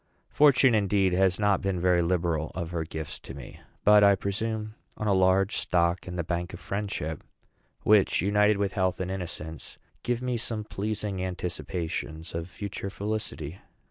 Fortune, indeed, has not been very liberal of her gifts to me; but I presume on a large stock in the bank of friendship, which, united with health and innocence, give me some pleasing anticipations of future felicity.